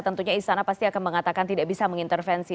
tentunya istana pasti akan mengatakan tidak bisa mengintervensi